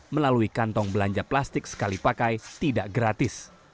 melalui kantong belanja plastik sekali pakai tidak gratis